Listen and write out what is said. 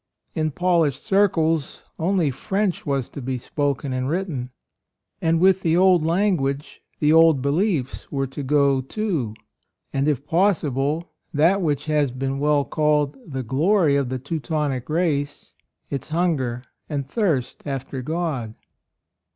11 in polished circles only French was to be spoken and written; and with the old language the old beliefs were to go too ; and, if possible, that which has been well called the glory of the Teutonic race — its hunger and thirst after God.